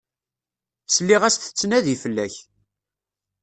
Sliɣ-as tettnadi fell-ak.